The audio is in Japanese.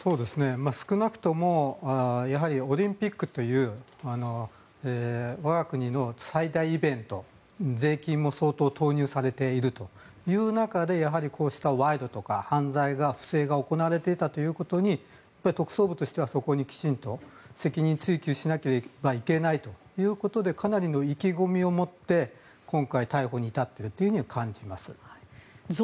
少なくともやはりオリンピックという我が国の最大イベント税金も相当投入されているという中でやはりこうした賄賂とか犯罪が不正が行われていたということに特捜部としては、そこにきちんと責任追及しなければいけないということでかなりの意気込みを持って今回、逮捕に至っていると感じます。